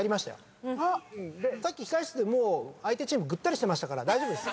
さっき控室でもう相手チームぐったりしてましたから大丈夫です。